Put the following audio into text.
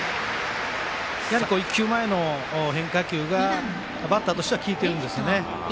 やはり、１球前の変化球がバッターとしては効いてるんですよね。